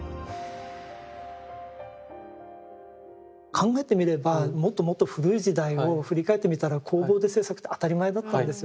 考えてみればもっともっと古い時代を振り返ってみたら工房で制作って当たり前だったんですよね。